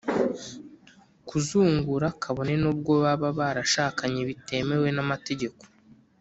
kuzungura, kabone n'ubwo baba barashakanye bitemewe n'amategeko